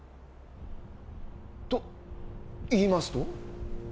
といいますと？